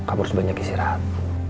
kamu harus banyak istirahat